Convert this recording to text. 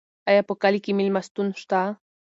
ایا په کلي کې مېلمستون شته؟